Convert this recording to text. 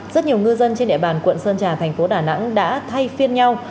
rất nhiều ngư dân trên địa bàn quận sơn trà thành phố đà nẵng đã thay phiên nhau